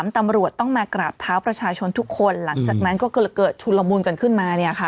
ตำรวจต้องมากราบเท้าประชาชนทุกคนหลังจากนั้นก็เกิดชุนละมุนกันขึ้นมา